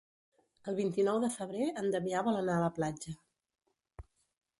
El vint-i-nou de febrer en Damià vol anar a la platja.